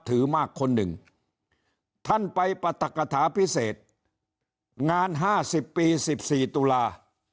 ท่านไปประตักฐาพิเศษงานห้าสิบปีสิบสี่ตุลา